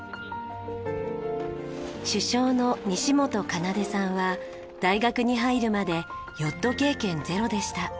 主将の西本かなでさんは大学に入るまでヨット経験ゼロでした。